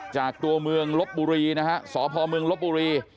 จากตัวเมืองลบบุรีนะฮะสพเมืองลบบุรี